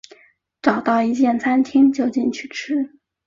找到一间餐厅就进去吃